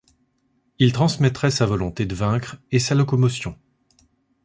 Il transmettrait sa volonté de vaincre et sa locomotion.